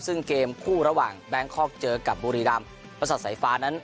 ซึ่งเกมคู่ระหว่างแบงคอกเจอกับบุรีรำประสาทสายฟ้านั้น